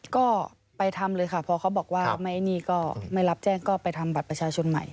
ก็ไปทำเลยค่ะพอเขาบอกว่านี่ก็ไม่รับแจ้งก็ไปทำบัตรประชาชนใหม่